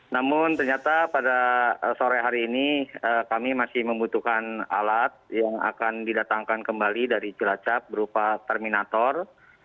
namun ternyata pada sore hari ini kami masih membutuhkan alat yang akan didatangkan kembali dari cilacap berupa terminator